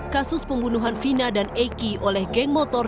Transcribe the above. kasus pembunuhan vina dan eki oleh geng motor